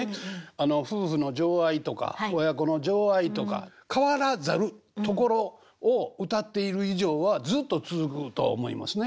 あの夫婦の情愛とか親子の情愛とか変わらざるところを歌っている以上はずっと続くと思いますね。